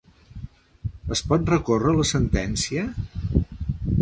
Es pot recórrer la sentència?